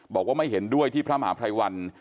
บอกว่าไม่เห็นด้วยที่พระมหาภัยวัน